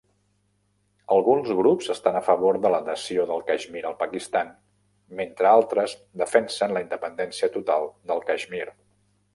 Alguns grups estan a favor de l'adhesió del Caixmir al Pakistan, mentre altres defensen la independència total del Caixmir.